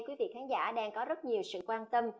quý vị khán giả đang có rất nhiều sự quan tâm